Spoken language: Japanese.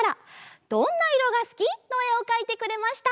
「どんな色がすき」のえをかいてくれました。